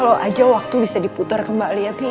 kalo aja waktu bisa diputar kembali ya bi